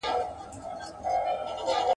راسه جهاني چي دا بوډۍ شېبې دي مستي کو ..